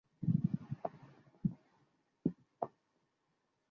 তাজমহল একটা সমাধি, বলরাম।